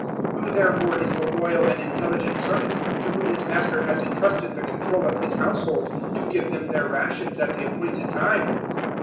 024:045 "Who therefore is the loyal and intelligent servant to whom his master has entrusted the control of his household to give them their rations at the appointed time?